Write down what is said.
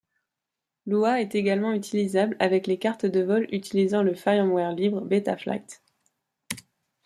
Lua est également utilisable avec les cartes de vol utilisant le firmware libre Betaflight.